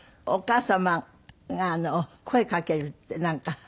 お母様が声かけるってなんか。